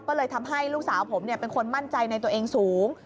ก็เลยทำให้ลูกสาวผมเป็นคนมั่นใจในตัวเองสูง